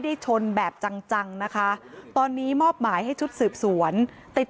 ชนแบบจังจังนะคะตอนนี้มอบหมายให้ชุดสืบสวนติด